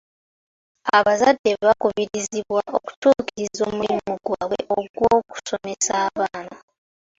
Abazadde bakubirizibwa okutuukiriza omulimu gwaabwe ogw'okusomesa abaana.